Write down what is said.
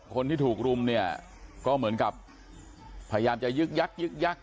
คนที่ถูกรุมเนี่ยก็เหมือนกับพยายามจะยึกยักยึกยัก